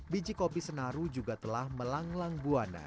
biji kopi senaru juga telah melanglang buana